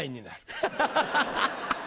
ハハハハ！